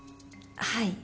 はい。